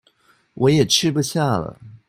我也吃不下了